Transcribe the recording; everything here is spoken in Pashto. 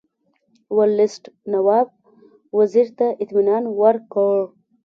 ورلسټ نواب وزیر ته اطمینان ورکړ.